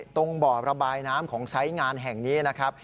ตรงบ่อระบายน้ำของไซส์งานแห่งนี้นะครับ